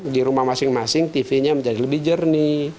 di rumah masing masing tv nya menjadi lebih jernih